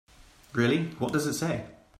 Really, what does it say?